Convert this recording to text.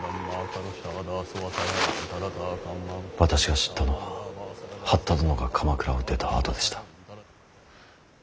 私が知ったのは八田殿が鎌倉を出たあとでした。